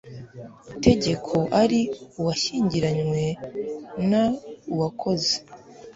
tegeko ari uwashyingiranywe n uwakoze